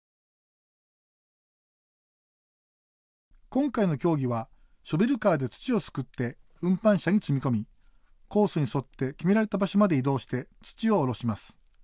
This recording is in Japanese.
今回の競技はショベルカーで土をすくって運搬車に積み込みコースに沿って決められた場所まで移動して土を下ろします。